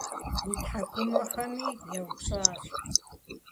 И тхьэкӏумэхэми еупщӏащ.